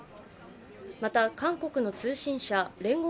また韓国の通信社聯合